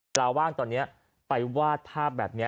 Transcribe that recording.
เวลาว่างตอนนี้ไปวาดภาพแบบนี้